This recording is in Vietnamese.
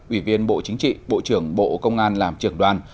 ủy viên bộ chính trị bộ trưởng bộ công an làm trưởng đoàn